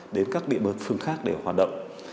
đến các địa bàn phương khác để hoạt động